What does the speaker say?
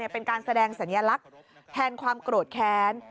เป็นการแสดงสัญลักษณ์แทนความโกรธแค้น